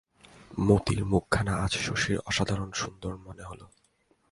মতির মুখখানা আজ শশীর অসাধারণ সুন্দর মনে হল।